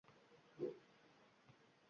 Birov chopqillab-chopqillab shoshildi.